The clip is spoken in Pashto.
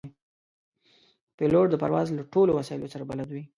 پیلوټ د پرواز له ټولو وسایلو سره بلد وي.